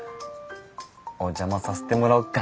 お邪魔させてもらおっか。